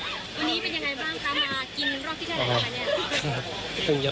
พี่เป็นยังไงบ้างคะมากินรอบที่เจ้าหน้าเนี่ย